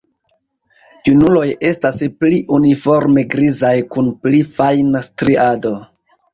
Junuloj estas pli uniforme grizaj kun pli fajna striado.